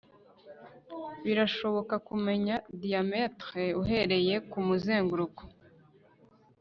birashoboka kumenya diameter uhereye kumuzenguruko